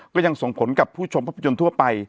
ก็ยังส่งผลกับผู้ชมภาพยนตร์ทั่วไป